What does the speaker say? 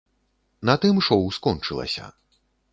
На тым шоў скончылася.